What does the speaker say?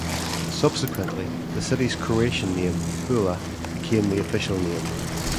Subsequently, the city's Croatian name, Pula, became the official name.